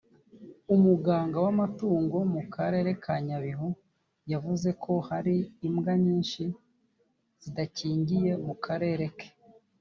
umuganga w’amatungo mu karere ka nyabihu yavuzeko hari imbwa nyinshi zidakingiye mu karere ke